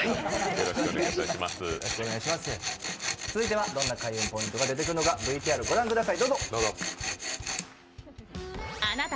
続いてはどんな開運ポイントが出てくるのか御覧ください。